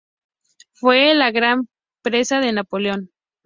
Fue la gran presa de Napoleón...